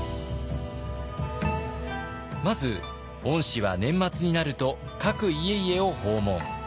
まず御師は年末になると各家々を訪問。